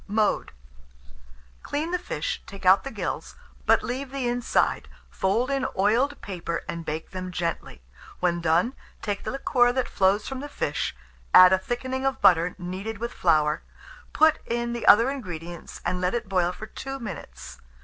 Mode. Clean the fish, take out the gills, but leave the inside, fold in oiled paper, and bake them gently. When done, take the liquor that flows from the fish, add a thickening of butter kneaded with flour; put in the other ingredients, and let it boil for 2 minutes.